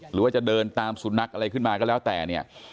หรือว่าจะเดินตามสุนัขอะไรขึ้นมาก็แล้วแต่เนี่ย